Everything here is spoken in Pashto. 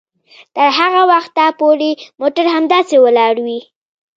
تر هغه وخته پورې موټر همداسې ولاړ وي